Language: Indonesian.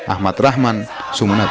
ahmad rahman sumeneb